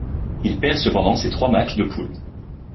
Il perd cependant ses trois matchs de poule.